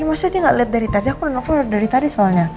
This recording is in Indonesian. ya masa dia gak liat dari tadi aku nelfon dari tadi soalnya